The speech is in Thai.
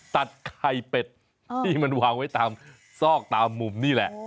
ตัดไข่เป็ดที่มันวางไว้ตามซอกตามมุมนี่แหละ